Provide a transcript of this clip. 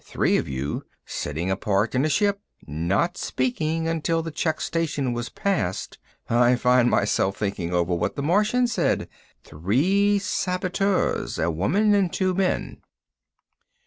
Three of you. Sitting apart in the ship. Not speaking, not until the check station was past. I find myself thinking over what the Martian said. Three saboteurs. A woman and two men."